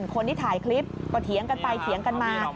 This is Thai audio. คนที่ถ่ายคลิปก็เถียงกันไปเถียงกันมา